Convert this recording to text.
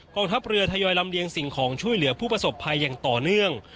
ทัพเรือทยอยลำเลียงสิ่งของช่วยเหลือผู้ประสบภัยอย่างต่อเนื่อง